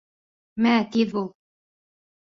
Мә, тиҙ бул!